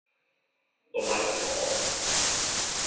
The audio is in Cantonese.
老馬有火